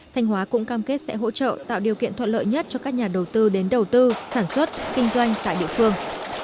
thanh hóa cũng cam kết sẽ hỗ trợ tạo điều kiện thuận lợi nhất cho các nhà đầu tư đến đầu tư sản xuất kinh doanh tại địa phương